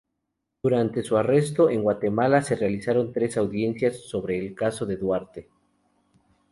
Durante su arresto en Guatemala, se realizaron tres audiencias sobre el caso de Duarte.